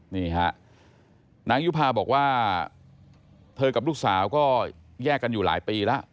นี่ฮะนางยุภาบอกว่าเธอกับลูกสาวก็แยกกันอยู่หลายปีแล้ว